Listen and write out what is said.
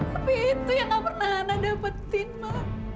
tapi itu yang nggak pernah ana dapetin ma